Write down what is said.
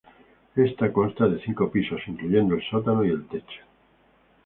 Ésta consta de cinco pisos, incluyendo el sótano y el techo.